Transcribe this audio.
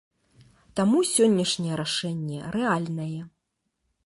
Таму сённяшняе рашэнне рэальнае.